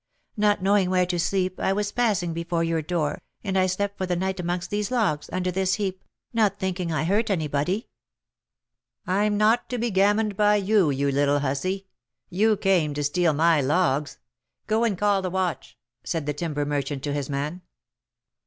Not knowing where to sleep, I was passing before your door, and I slept for the night amongst these logs, under this heap, not thinking I hurt anybody.' "'I'm not to be gammoned by you, you little hussy! You came to steal my logs. Go and call the watch,' said the timber merchant to his man."